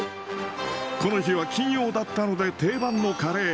この日は金曜だったので、定番のカレー。